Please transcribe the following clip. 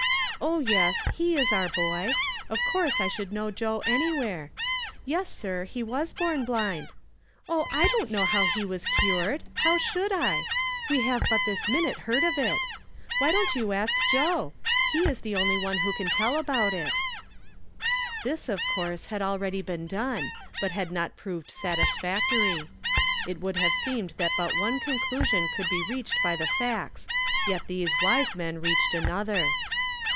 " Oh, yes, he is our boy ; of course I should know Joe, anywhere. Yes, sir, he was born blind. Oh, I don't know how he was cured ! How should I ? We have but this minute heard of it. W don't you ask Joe? He is the only one whc * i tell about it." Tills, of course, had already been done, but had not proved satisfactory. It would liave seemed that but one conclusion could be reached by the facts, yet these wise men reached another.